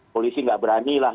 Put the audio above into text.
polisi gak berani lah